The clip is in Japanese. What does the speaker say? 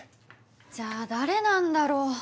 じゃあ誰なんだろ？